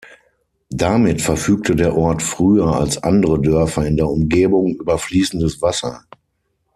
Damit verfügte der Ort früher als andere Dörfer in der Umgebung über fließendes Wasser.